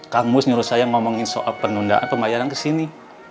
kang mus nyuruh saya ngomongin soal penundaan pembayaran kesini